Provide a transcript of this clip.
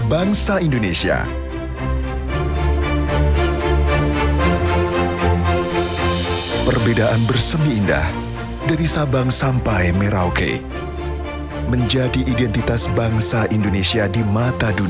bangsa indonesia perbedaan bersemi indah dari sabang sampai merauke menjadi identitas bangsa indonesia